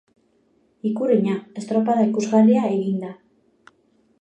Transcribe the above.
Ikurrina, estropada ikusgarria eginda.